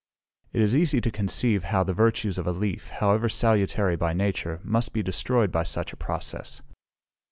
It is easy to conceive how the virtues of a leaf, however salutary by nature, must be destroyed by such a process.